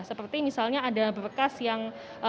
seperti misalnya ada berkas yang